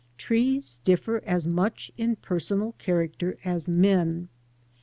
Trees differ as much in personal character as men.